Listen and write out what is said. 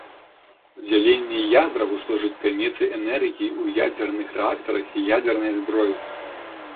Дзяленне ядраў служыць крыніцай энергіі ў ядзерных рэактарах і ядзернай зброі.